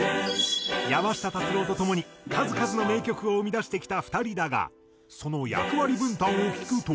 山下達郎とともに数々の名曲を生み出してきた２人だがその役割分担を聞くと。